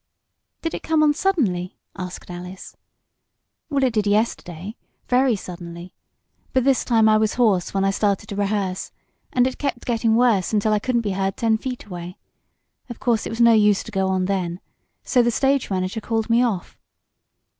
"Did it come on suddenly?" asked Alice. "Well, it did yesterday very suddenly. But this time I was hoarse when I started to rehearse and it kept getting worse until I couldn't be heard ten feet away. Of course it was no use to go on then, so the stage manager called me off."